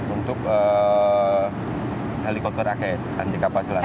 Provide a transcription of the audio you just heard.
untuk helikopter aks anti kapal selasih ya